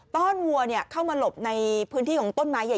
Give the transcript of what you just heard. ้อนวัวเข้ามาหลบในพื้นที่ของต้นไม้ใหญ่